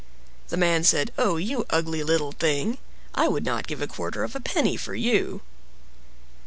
The man said, "Oh, you ugly little thing! I would not give a quarter of a penny for you!"